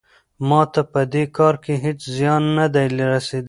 ما ته په دې کار کې هیڅ زیان نه دی رسیدلی.